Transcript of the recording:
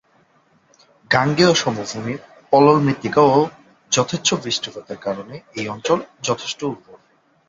গাঙ্গেয় সমভূমির পলল মৃত্তিকা ও যথেচ্ছ বৃষ্টিপাতের কারণে এই অঞ্চল যথেষ্ট উর্বর।